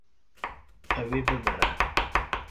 Ew ê bibire.